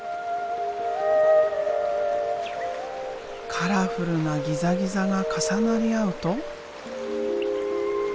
カラフルなギザギザが重なり合うと。